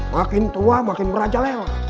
makin tua makin beracalela